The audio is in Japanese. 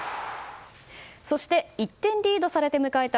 そして１点リードされて迎えた